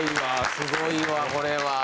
すごいわこれは。